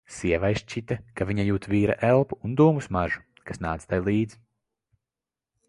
Sievai šķita, ka viņa jūt vīra elpu un dūmu smaržu, kas nāca tai līdz.